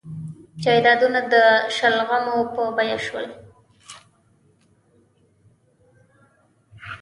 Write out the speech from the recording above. جایدادونه د شلغمو په بیه شول.